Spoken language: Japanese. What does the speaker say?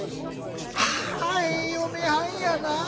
『ああええ嫁はんやなあ。